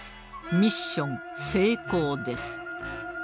ミッション成功です。